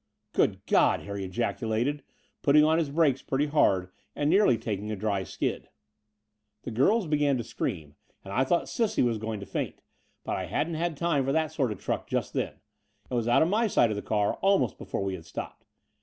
"Good God," Harry ejaculated, putting on his brakes pretty hard and nearly taking a dry skid. The Brighton Road 27 The girls began to scream, and I thought Cissie was going to faint: but I hadn't much time for that sort of truck just then, and was out of my side of the car aknost before we had stopped.